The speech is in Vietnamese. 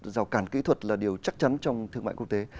rào cản kỹ thuật là điều chắc chắn trong thương mại quốc tế